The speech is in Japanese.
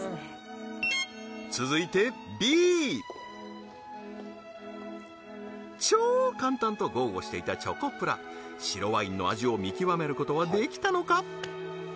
続いてＢ超簡単と豪語していたチョコプラ白ワインの味を見極めることはできたのか？